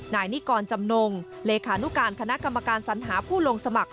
นายนิกรจำนงเลขานุการคณะกรรมการสัญหาผู้ลงสมัคร